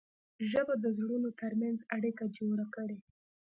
ژبه د زړونو ترمنځ اړیکه جوړه کړي